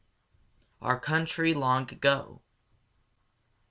OUR COUNTRY LONG AGO.